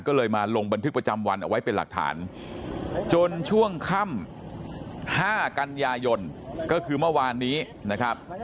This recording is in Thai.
ก็เลยมาลงบันทึกประจำวันเอาไว้เป็นหลักฐานจนช่วงค่ำ๕กันยายนก็คือเมื่อวานนี้นะครับ